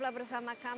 tetap bersama kami